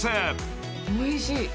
「おいしい」